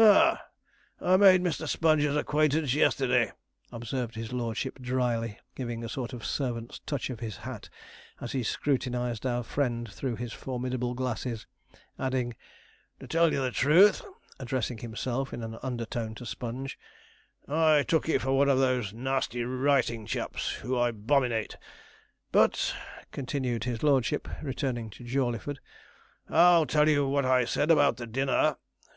'Ah, I made Mr. Sponge's acquaintance yesterday,' observed his lordship drily, giving a sort of servants' touch of his hat as he scrutinized our friend through his formidable glasses, adding, 'To tell you the truth,' addressing himself in an underone to Sponge, 'I took you for one of those nasty writing chaps, who I 'bominate. But,' continued his lordship, returning to Jawleyford. 'I'll tell you what I said about the dinner.